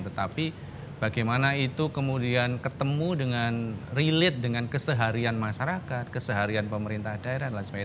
tetapi bagaimana itu kemudian ketemu dengan relate dengan keseharian masyarakat keseharian pemerintah daerah dan sebagainya